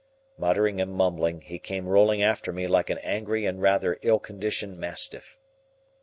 Muttering and mumbling, he came rolling after me like an angry and rather ill conditioned mastiff.